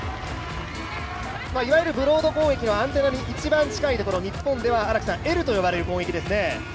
いわゆるブロード攻撃のアンテナに一番近いところ日本ではＬと呼ばれる攻撃ですね。